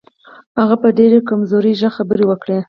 هغه په ډېر کمزوري غږ خبرې وکړې.